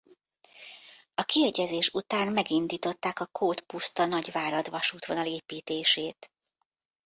A kiegyezés után megindították a Kótpuszta-Nagyvárad vasútvonal építését.